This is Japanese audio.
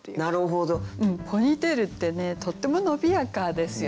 ポニーテールってねとっても伸びやかですよね。